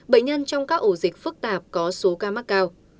bệnh nhân trong các ổ dịch phức tạp có số ca mắc cao